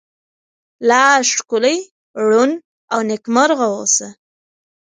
لا ښکلې، ړون، او نکيمرغه اوسه👏